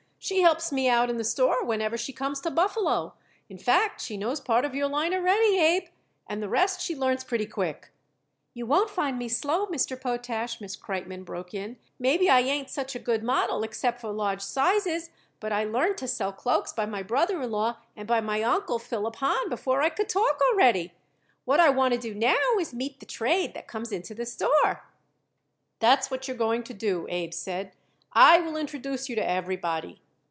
She helps me out in the store whenever she comes to Buffalo. In fact, she knows part of your line already, Abe, and the rest she learns pretty quick." "You won't find me slow, Mr. Potash," Miss Kreitmann broke in. "Maybe I ain't such a good model except for large sizes, but I learned to sell cloaks by my brother in law and by my uncle, Philip Hahn, before I could talk already. What I want to do now is to meet the trade that comes into the store." "That's what you're going to do," Abe said. "I will introduce you to everybody."